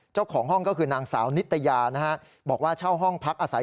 เจ้าของห้องก็คือนางสาวนิตยานะฮะบอกว่าเช่าห้องพักอาศัย